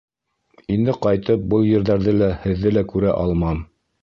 Инде ҡайтып был ерҙәрҙе лә, һеҙҙе лә күрә алмам.